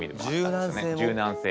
柔軟性。